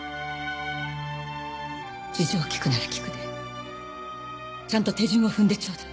事情を聞くなら聞くでちゃんと手順を踏んでちょうだい。